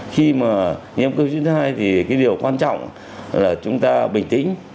khi mà nhiễm covid hai thì cái điều quan trọng là chúng ta bình tĩnh